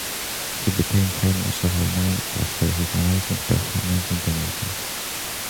He became famous overnight after his amazing performance in the movie.